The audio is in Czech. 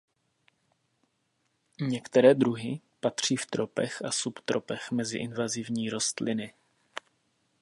Některé druhy patří v tropech a subtropech mezi invazivní rostliny.